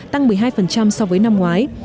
tăng một mươi hai so với năm ngoái